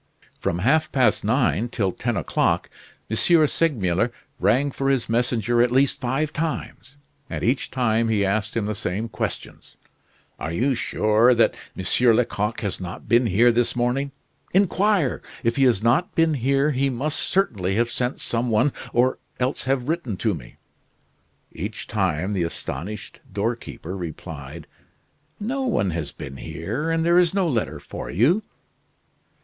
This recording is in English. From half past nine till ten o'clock M. Segmuller rang for his messenger at least five times, and each time he asked him the same questions: "Are you sure that M. Lecoq has not been here this morning? Inquire! If he has not been here he must certainly have sent some one, or else have written to me." Each time the astonished doorkeeper replied: "No one has been here, and there is no letter for you."